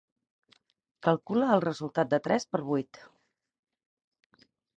Calcula el resultat de tres per vuit.